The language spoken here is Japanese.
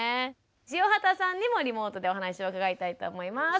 塩畑さんにもリモートでお話を伺いたいと思います。